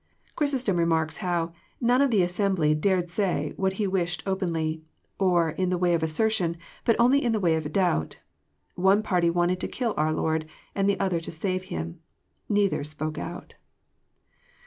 Chrysostom remarks how " none of the assembly dared say what 'le wished openly, or In the way of assertion, but only in the w ly of doubt. One party wanted to kill our Lord, and the other to save Him. Neither spoke out."